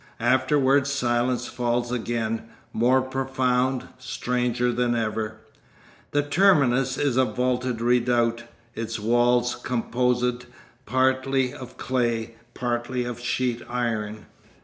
Afterwards silence falls again, more profound, stranger than ever. The terminus is a vaulted redoubt, its walls composed partly of clay, partly of sheet iron.